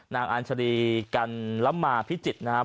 นางอัญชรีกันรมพิจิตฯนะครับ